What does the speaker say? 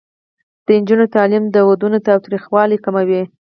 د نجونو تعلیم د ودونو تاوتریخوالي کموي.